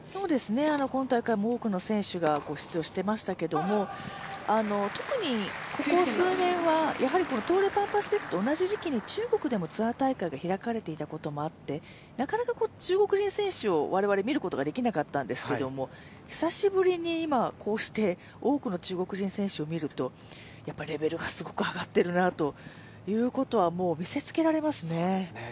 今大会も多くの選手が出場していましたけれども、特にここ数年は東レパンパシフィックと同じ時期に中国でもツアー大会が開かれていたこともあって、なかなか中国人選手を我々、見ることができなかったんですけれども、久しぶりに今こうして多くの中国人選手を見るとレベルがすごく上がっているなということは見せつけられますね。